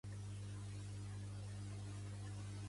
A veure com surt el Vilamagore sense cavalls